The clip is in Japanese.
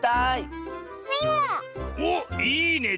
おっいいね。